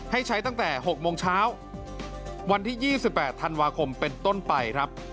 ให้ใช้ตั้งแต่๖โมงเช้าวันที่๒๘ธันวาคมเป็นต้นไปครับ